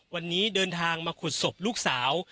วันนี้เดินทางมาขุดศพลูกสาว